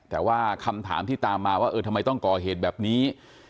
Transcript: แต่ว่าคำถามที่ตามมาว่าเออทำไมต้องก่อเหตุแบบนี้